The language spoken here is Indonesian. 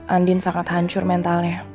andin sangat hancur mentalnya